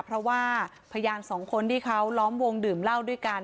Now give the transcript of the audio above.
เพราะว่าพยานสองคนที่เขาล้อมวงดื่มเหล้าด้วยกัน